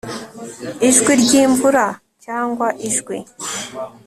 Ijwi ryimvura cyangwa ijwi